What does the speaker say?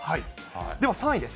では３位です。